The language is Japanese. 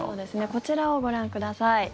こちらをご覧ください。